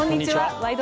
「ワイド！